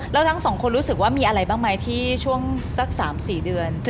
แล้วทั้งสองคนรู้สึกว่ามีอะไรบ้างไหมที่ช่วงสัก๓๔เดือน